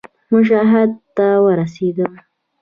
مشهد ته ورسېدم.